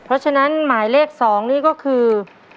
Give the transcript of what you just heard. เพราะฉะนั้นหมายเลข๒นี่ก็คือ